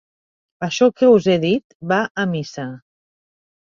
Això que us he dit va a missa.